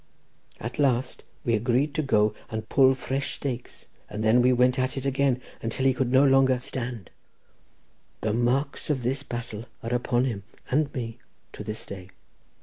At last we agreed to go and pull fresh stakes, and then we went at it again, until he could no longer stand. The marks of this battle are upon him and me to this day.